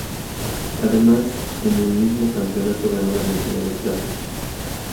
Además en el mismo campeonato ganó la medalla de plata.